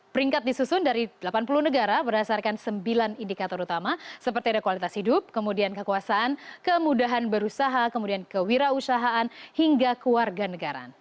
peringkat disusun dari delapan puluh negara berdasarkan sembilan indikator utama seperti ada kualitas hidup kemudian kekuasaan kemudahan berusaha kemudian kewirausahaan hingga keluarga negara